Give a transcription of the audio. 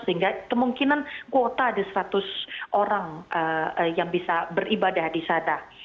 sehingga kemungkinan kuota ada seratus orang yang bisa beribadah di sana